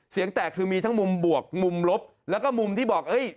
เสียงแตกคือมีทั้งมุมบวกมุมลบแล้วก็มุมที่บอกเอ้ย